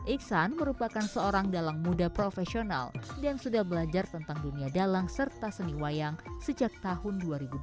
iksan merupakan seorang dalang muda profesional dan sudah belajar tentang dunia dalang serta seni wayang sejak tahun dua ribu dua belas